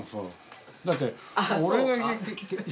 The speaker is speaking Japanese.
だって。